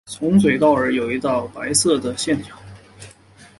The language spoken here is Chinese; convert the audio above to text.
从嘴到耳有一道白色的线条。